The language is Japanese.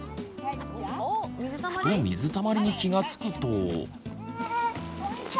ふと「水たまり」に気がつくと。